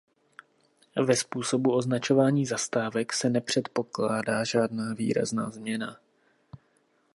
Ve způsobu označování zastávek se nepředpokládá žádná výrazná změna.